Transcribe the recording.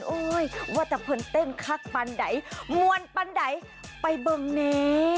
โอ้ยว่าจะเพิ่งเต้นข้ากปันใดมวลปันใดไปเบิ่งนี้